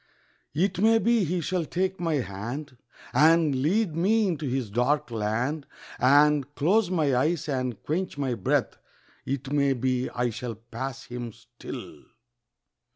It may be he shall take my hand And lead me into his dark land And close my eyes and quench my breath It may be I shall pass him still.